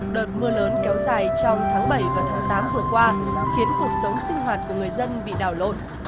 đợt mưa lớn kéo dài trong tháng bảy và tháng tám vừa qua khiến cuộc sống sinh hoạt của người dân bị đảo lộn